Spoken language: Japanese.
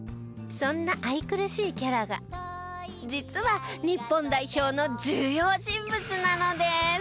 そんな愛くるしいキャラが実は日本代表の重要人物なのです。